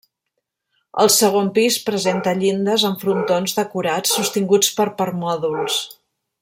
El segon pis presenta llindes amb frontons decorats sostinguts per permòdols.